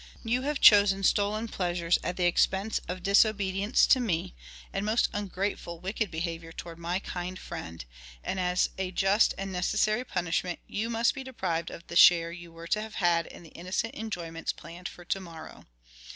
You have chosen stolen pleasures at the expense of disobedience to me, and most ungrateful, wicked behavior toward my kind friend; and as a just and necessary punishment you must be deprived of the share you were to have had in the innocent enjoyments planned for to morrow.